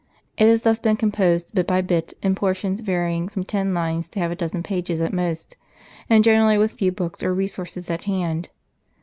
It has thus been composed bit by bit, in portions varying from ten lines to half a dozen pages at most, and generally with few books or resources at hand.